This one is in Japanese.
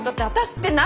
って何？